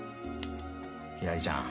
ひらりちゃん。